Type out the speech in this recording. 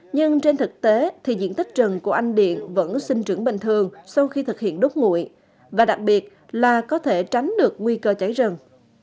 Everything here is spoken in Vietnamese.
nhưng trên thực tế thì diện tích rừng của anh điện vẫn sinh trưởng bình thường sau khi thực hiện đốt nguội và đặc biệt là có thể tránh được nguy cơ cháy rừng